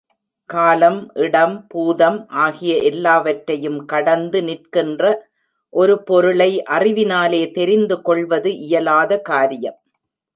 காலம், இடம், பூதம் ஆகிய எல்லாவற்றையும் கடந்து நிற்கின்ற ஒரு பொருளை அறிவினாலே தெரிந்து கொள்வது இயலாத காரியம்.